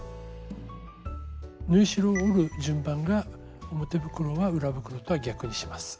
縫い代を折る順番が表袋は裏袋とは逆にします。